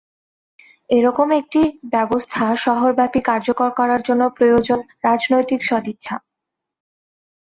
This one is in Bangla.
এ রকম একটি ব্যবস্থা শহরব্যাপী কার্যকর করার জন্য প্রয়োজন রাজনৈতিক সদিচ্ছা।